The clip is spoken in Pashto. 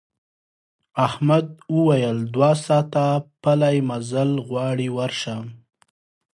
احمد وویل دوه ساعته پلی مزل غواړي ورشه.